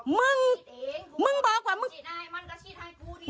มึงมึงบอกว่ามึง